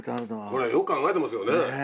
これよく考えてますよね！